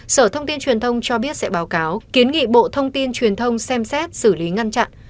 sở thông tin truyền thông cho biết sẽ báo cáo kiến nghị bộ thông tin truyền thông xem xét xử lý ngăn chặn